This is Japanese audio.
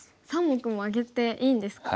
３目もあげていいんですか。